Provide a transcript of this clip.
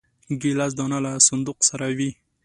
ګیلاس د انا له صندوق سره وي.